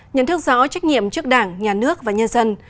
nhân thức rõ trách nhiệm trước đảng nhà nước và nhà dân